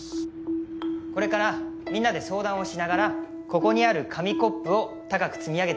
これからみんなで相談をしながらここにある紙コップを高く積み上げていきましょう。